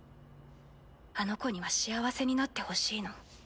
あの子には幸せになってほしいの。